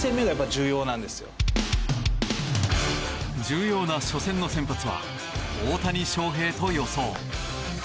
重要な初戦の先発は大谷翔平と予想。